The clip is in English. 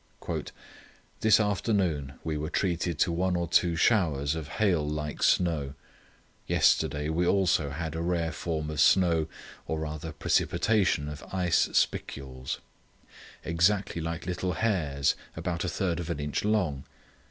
"This afternoon we were treated to one or two showers of hail like snow. Yesterday we also had a rare form of snow, or, rather, precipitation of ice spicules, exactly like little hairs, about a third of an inch long.